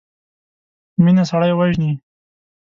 مينه سړی وژني.